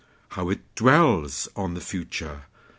How it dwellsOn the Future!